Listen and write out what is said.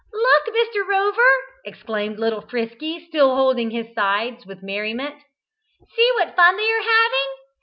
"Look, Mr. Rover," exclaimed little Frisky, still holding his sides with merriment. "See what fun they are having!